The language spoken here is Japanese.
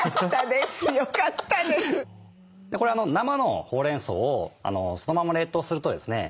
これ生のほうれんそうをそのまま冷凍するとですね